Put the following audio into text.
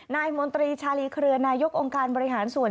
มนตรีชาลีเครือนายกองค์การบริหารส่วน